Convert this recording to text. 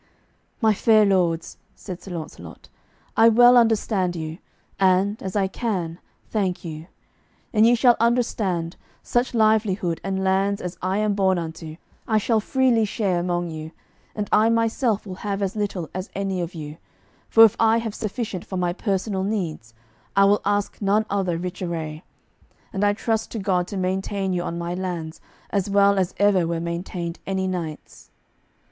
"My fair lords," said Sir Launcelot, "I well understand you, and, as I can, thank you. And ye shall understand, such livelihood and lands as I am born unto I shall freely share among you, and I myself will have as little as any of you, for if I have sufficient for my personal needs, I will ask none other rich array; and I trust to God to maintain you on my lands as well as ever were maintained any knights."